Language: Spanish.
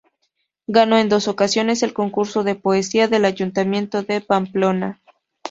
Ganó en dos ocasiones el concurso de poesía del Ayuntamiento de Pamplona.